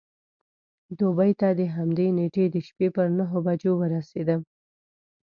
دوبۍ ته د همدې نېټې د شپې پر نهو بجو ورسېدم.